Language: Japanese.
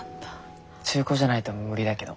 中古じゃないと無理だけど。